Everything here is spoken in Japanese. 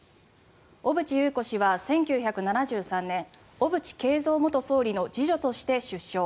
小渕優子氏は１９７３年小渕恵三元総理の次女として出生。